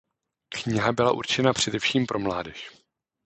Kniha byla určena především pro mládež.